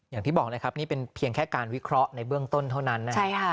อย่างที่บอกเลยครับนี่เป็นเพียงแค่การวิเคราะห์ในเบื้องต้นเท่านั้นนะครับ